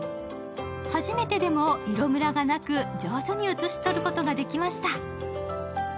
初めてでも色ムラがなく上手に写し取ることができました。